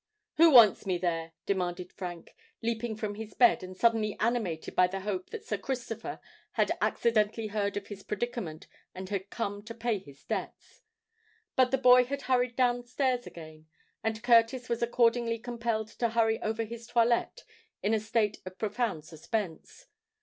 "Who want's me there?" demanded Frank, leaping from his bed, and suddenly animated by the hope that Sir Christopher had accidentally heard of his predicament and had come to pay his debts. But the boy had hurried down stairs again; and Curtis was accordingly compelled to hurry over his toilette in a state of profound suspense.